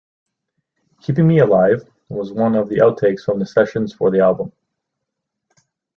"Keeping Me Alive" was one of the outtakes from the sessions for the album.